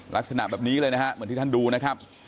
ลักษณะแบบนี้เลยนะฮะเหมือนที่ท่านดูนะครับ